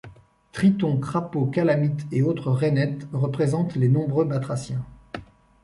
Tritons, crapauds calamite et autres rainettes représentent les nombreux batraciens.